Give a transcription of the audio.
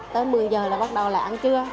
tới một mươi giờ là bắt đầu là ăn trưa